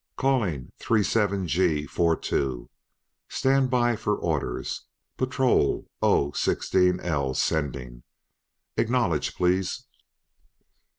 "Calling three seven G four two! Stand by for orders! Patrol O sixteen L sending; acknowledge, please!"